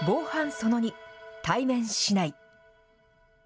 その２、対面しない。